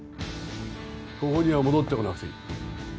ここには戻ってこなくていい。